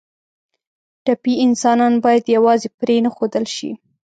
ټپي انسان باید یوازې پرېنښودل شي.